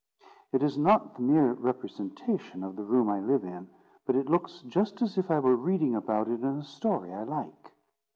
It is not the mere representation of the room I live in, but it looks just as if I were reading about it in a story I like.